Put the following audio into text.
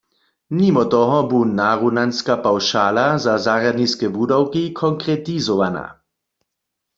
Nimo toho bu narunanska pawšala za zarjadniske wudawki konkretizowana.